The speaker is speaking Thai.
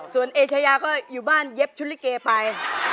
ส่วนเอเชยาก็อยู่บ้านเย็บชุดลิเกไป